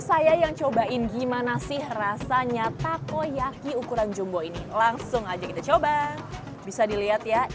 saya yang cobain gimana sih rasanya takoyaki ukuran jumbo ini langsung aja kita coba bisa dilihat ya